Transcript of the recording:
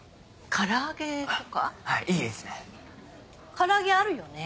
唐揚げあるよね？